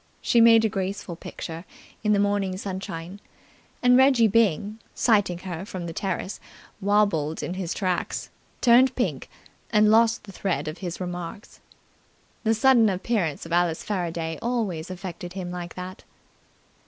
She made a graceful picture in the morning sunshine, and Reggie Byng, sighting her from the terrace, wobbled in his tracks, turned pink, and lost the thread of his remarks. The sudden appearance of Alice Faraday always affected him like that.